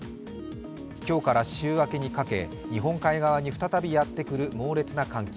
今日から週明けにかけ、日本海側に再びやってくる寒気。